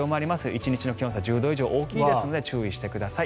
１日の気温差、１０度以上大きいですので注意してください。